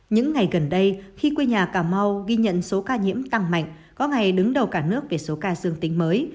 những ngày gần đây khi quê nhà cà mau ghi nhận số ca nhiễm tăng mạnh có ngày đứng đầu cả nước về số ca dương tính mới